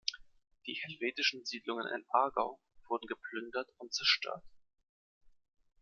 Die helvetischen Siedlungen im Aargau wurden geplündert und zerstört.